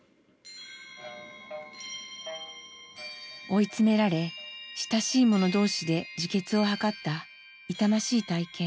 追い詰められ親しい者同士で自決を図った痛ましい体験。